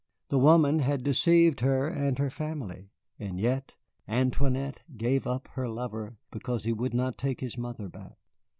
The woman had deceived her and her family, and yet Antoinette gave up her lover because he would not take his mother back.